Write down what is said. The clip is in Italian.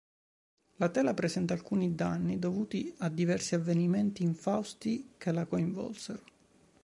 La tela presenta alcuni danni dovuti a diversi avvenimenti infausti che la coinvolsero.